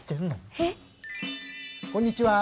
えっ？こんにちは。